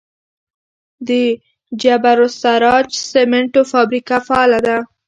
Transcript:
د جبل السراج سمنټو فابریکه فعاله ده؟